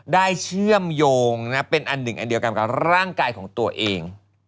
เชื่อมโยงเป็นอันหนึ่งอันเดียวกันกับร่างกายของตัวเอง